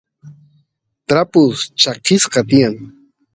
trapus chakisqa tiyan